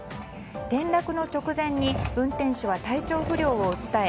転落の直前に運転手は体調不良を訴え